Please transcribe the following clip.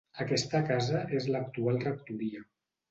Aquesta casa és l'actual rectoria.